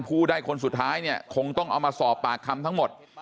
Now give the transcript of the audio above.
ผู้ได้คนสุดท้ายเนี่ยคงต้องเอามาสอบปากคำทั้งหมด